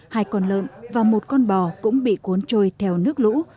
hai con lợn và một con bò cũng bị cuốn trôi theo nước lũ